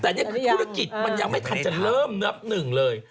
แต่คือธุรกิจมันยังไม่ถำงโกรธจะเริ่มนับ๑เลย